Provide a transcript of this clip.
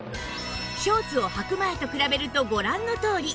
ショーツをはく前と比べるとご覧のとおり